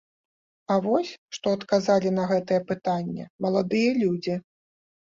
А вось што адказалі на гэтае пытанне маладыя людзі.